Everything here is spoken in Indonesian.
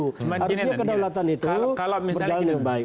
harusnya kedaulatan itu berjalan dengan baik